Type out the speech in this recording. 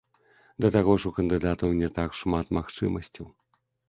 Да таго ж у кандыдатаў не так шмат магчымасцяў.